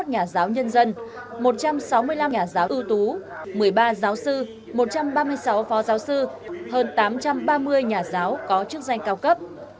hai mươi nhà giáo nhân dân một trăm sáu mươi năm nhà giáo ưu tú một mươi ba giáo sư một trăm ba mươi sáu phó giáo sư hơn tám trăm ba mươi nhà giáo có chức danh cao cấp